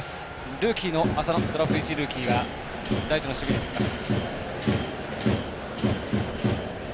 ルーキーの浅野ドラフト１位ルーキーがライトの守備につきます。